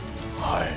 はい。